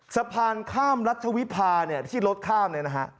สะพานข้ามรัฐวิพาที่รถข้ามเลยนะฮะ